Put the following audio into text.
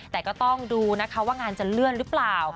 แต่ก็ต้องดูนะคะว่างานจะเลื่อนหรือเปล่า